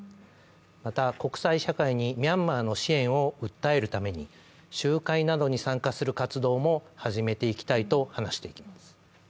また国際社会にミャンマーの支援を訴えるために集会などに参加する活動も始めていきたいと話しています。